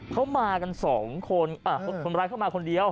เขามากันสองคนคนร้ายเข้ามาคนเดียว